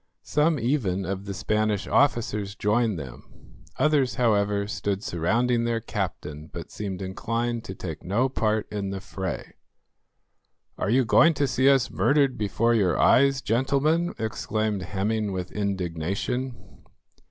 Some even of the Spanish officers joined them, others, however, stood surrounding their captain, but seemed inclined to take no part in the fray. "Are you going to see us murdered before your eyes, gentlemen?" exclaimed Hemming with indignation.